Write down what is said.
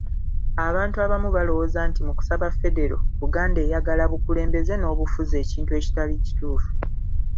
Abantu abamu balowooza nti mu kusaba Federo, Buganda eyagala bukulembeze n’obufuzi ekintu ekitali kituufu.